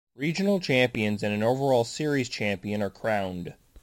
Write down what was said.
Regional champions and an overall series champion are crowned.